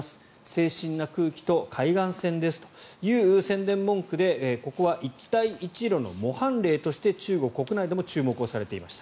清新な空気と海岸線ですという宣伝文句でここは一帯一路の模範例として中国国内でも注目されていました。